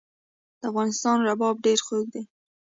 د افغانستان رباب ډیر خوږ دی